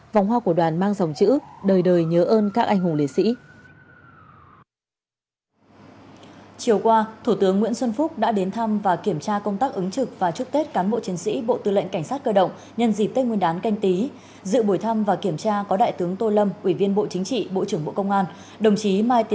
vòng hoa của đoàn mang dòng chữ đời đời nhớ ơn các anh hùng liệt sĩ